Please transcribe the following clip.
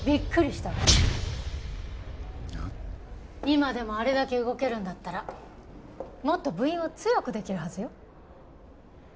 今でもあれだけ動けるんだったらもっと部員を強くできるはずよ。